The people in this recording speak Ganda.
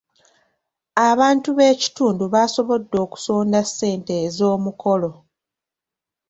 Abantu b'ekitundu baasobodde okusonda ssente ez'omukolo.